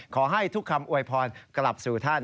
ขอให้ทุกคำอวยพรกลับสู่ท่าน